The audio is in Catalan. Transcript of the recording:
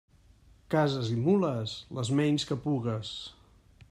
Cases i mules, les menys que pugues.